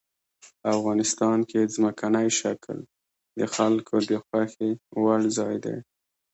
افغانستان کې ځمکنی شکل د خلکو د خوښې وړ ځای دی.